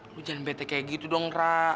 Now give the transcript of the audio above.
lo jangan bete kayak gitu dong ra